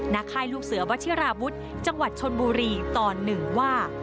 นาคายลูกเสือวัชญาวัตชิราบุทรจังหวัดโชนบุรีตอนหนึ่งว่า